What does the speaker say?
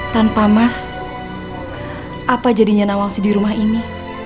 tanpa mas apa jadinya nawangsi di rumah ini